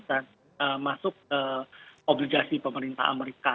dan masuk ke obligasi pemerintah amerika